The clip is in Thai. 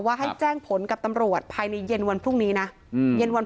ให้แจ้งผลกับตำรวจภายในเย็นวันพรุ่งนี้นะเย็นวัน